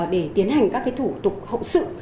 để tiến hành các thủ tục hậu sự